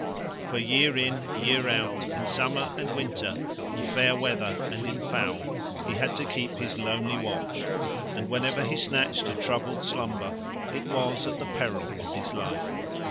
For year in, year out, in summer and winter, in fair weather and in foul, he had to keep his lonely watch, and whenever he snatched a troubled slumber it was at the peril of his life.